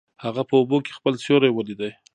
هغه په اوبو کې خپل سیوری ولید.